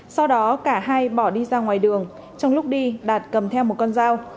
sau đó cả hai bỏ đi ra ngoài đường trong lúc đi đạt cầm theo một con dao